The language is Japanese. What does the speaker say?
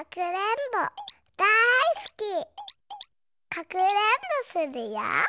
かくれんぼするよ。